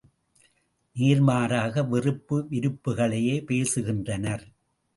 நேர்மாறாக வெறுப்பு விருப்புகளையே பேசுகின்றனர்!